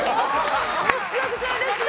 めちゃくちゃうれしい！